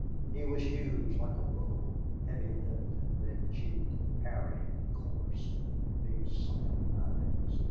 He was huge, like a bull, heavy lipped and red cheeked, hairy and coarse, with big sunken eyes.